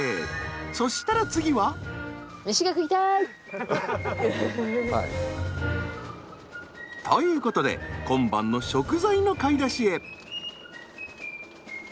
そしたら次は？ということで今晩の食材の買い出しへ。